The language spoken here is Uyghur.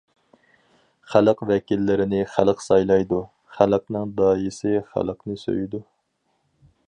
« خەلق ۋەكىللىرىنى خەلق سايلايدۇ، خەلقنىڭ داھىيسى خەلقنى سۆيىدۇ!».